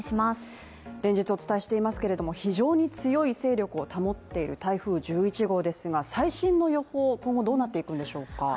連日お伝えしていますけれども、非常に強い勢力を保っている台風１１号ですが、最新の予報、今後どうなっていくんでしょうか？